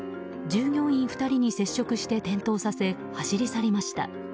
従業員２人に接触して転倒させ走り去りました。